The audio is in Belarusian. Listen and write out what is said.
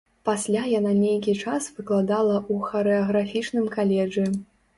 Пасля яна нейкі час выкладала ў харэаграфічным каледжы.